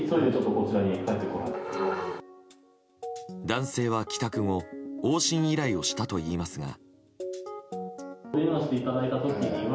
男性は帰宅後往診依頼をしたといいますが。